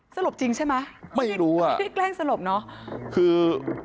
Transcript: สลบจริงใช่ไหมไม่ได้แกล้งสลบเนอะ